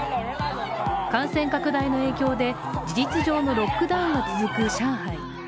感染拡大の影響で事実上のロックダウンが続く上海。